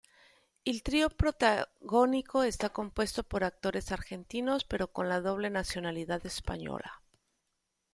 El trío protagónico está compuesto por actores argentinos pero con la doble nacionalidad española.